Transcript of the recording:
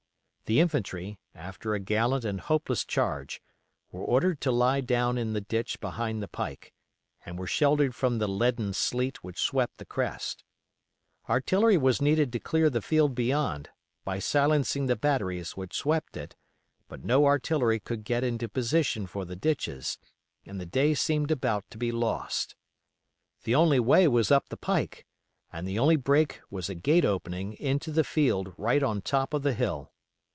The infantry, after a gallant and hopeless charge, were ordered to lie down in the ditch behind the pike, and were sheltered from the leaden sleet which swept the crest. Artillery was needed to clear the field beyond, by silencing the batteries which swept it, but no artillery could get into position for the ditches, and the day seemed about to be lost. The only way was up the pike, and the only break was a gate opening into the field right on top of the hill.